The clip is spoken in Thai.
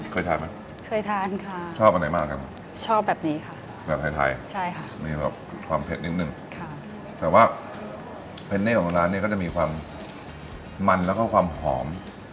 เคยทานไหมเคยทานค่ะชอบอันไหนมากันชอบแบบนี้ค่ะแบบไทยใช่ค่ะมีความเผ็ดนิดนึงแต่ว่าเพนเน่ของร้านเนี่ยก็จะมีความมันแล้วก็ความหอม